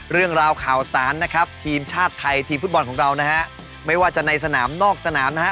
เรื่องราวข่าวสารนะครับทีมชาติไทยทีมฟุตบอลของเรานะฮะไม่ว่าจะในสนามนอกสนามนะฮะ